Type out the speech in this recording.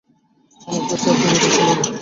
আমার কাছে আর কোনো উপায় ছিল না।